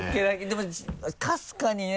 でもかすかにね。